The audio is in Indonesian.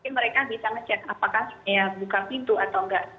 mereka bisa ngecek apakah buka pintu atau enggak